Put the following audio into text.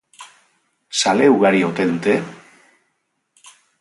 Zale ugari ote dute?